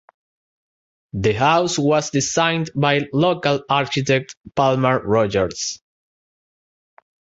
The house was designed by local architect Palmer Rogers.